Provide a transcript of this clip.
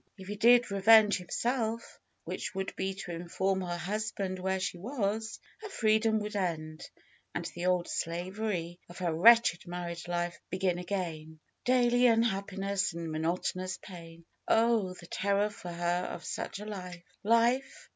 If he did re venge himself, which would be to inform her husband where she was, her freedom would end, and the old slavery of her wretched married life begin again, daily unhappiness and monotonous pain. Oh ! the terror for her of such a life ! Life